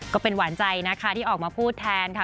ก็เป็นหวานใจนะคะที่ออกมาพูดแทนค่ะ